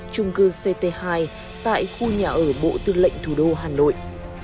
trung cư ct hai tại khu nhà ở bộ tư lệnh thủ đô hà nội